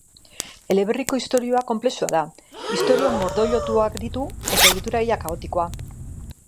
Eleberriko istorioa konplexua da, istorio mordoilotuak ditu eta egitura ia kaotikoa.